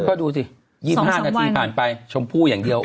ก็ดูสิ๒๕นาทีผ่านไปชมพู่อย่างเดียว